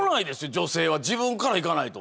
女性は自分からいかないと。